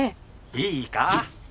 いいか？